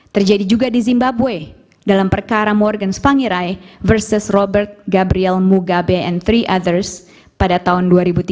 terjadi juga di zimbabwe dalam perkara morgan spanyrai versus robert gabriel mugabe entry others pada tahun dua ribu tiga belas